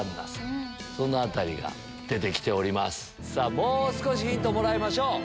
もう少しヒントもらいましょう。